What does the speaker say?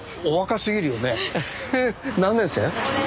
何年生？